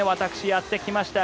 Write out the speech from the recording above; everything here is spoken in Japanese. やってきました